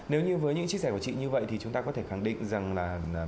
nếu như với những chia sẻ của chị như vậy thì chúng ta có thể khẳng định rằng là